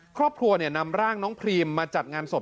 ครอบครัวนำร่างน้องพรีมมาจัดงานศพ